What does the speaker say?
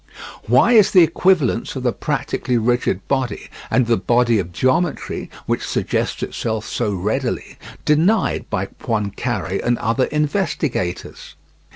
Why is the equivalence of the practically rigid body and the body of geometry which suggests itself so readily denied by Poincare and other investigators?